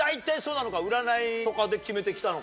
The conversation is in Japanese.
占いとかで決めてきたのか？